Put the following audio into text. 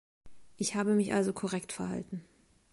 Ich habe mich also korrekt verhalten.